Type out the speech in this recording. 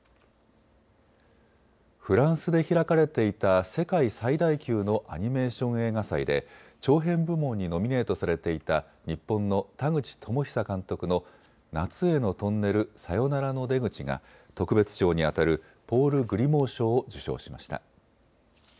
フランスで開かれていた世界最大級のアニメーション映画祭で長編部門にノミネートされていた日本の田口智久監督の夏へのトンネル、さよならの出口が特別賞にあたるポール・グリモー賞を受賞しました。